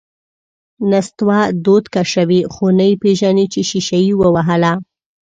نستوه دود کشوي، خو نه یې پېژني چې شیشه یې ووهله…